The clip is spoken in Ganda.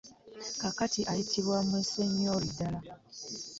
Kaakati ayitibwa Munsenyoli ddala.